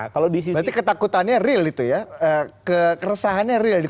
berarti ketakutannya real itu ya keresahannya real